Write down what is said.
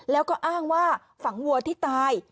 แล้วก็อ้างว่าฝังวัวที่ตาย